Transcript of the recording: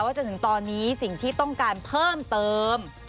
จนถึงตอนนี้สิ่งที่ต้องการเพิ่มเติม